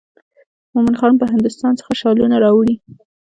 مومن خان به هندوستان څخه شالونه راوړي.